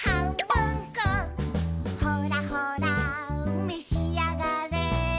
「ほらほらめしあがれ」